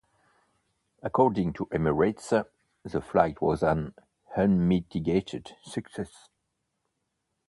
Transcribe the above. According to Emirates, the flight was an "unmitigated success".